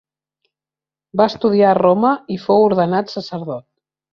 Va estudiar a Roma i fou ordenat sacerdot.